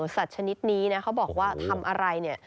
ชนิดนี้นะเขาบอกว่าทำอะไรเนี่ย